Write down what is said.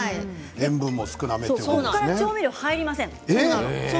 ここから調味料入りません。